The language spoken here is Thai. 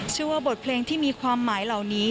ว่าบทเพลงที่มีความหมายเหล่านี้